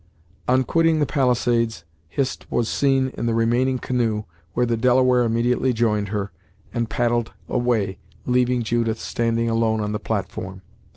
On quitting the palisades, Hist was seen in the remaining canoe, where the Delaware immediately joined her, and paddled away, leaving Judith standing alone on the platform.